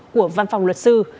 của văn phòng luật sư